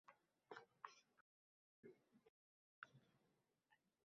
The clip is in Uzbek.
Maʼrifat deb qoʼloch otdi